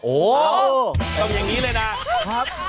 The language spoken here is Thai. โอโฮทำอย่างนี้เลยนะครับ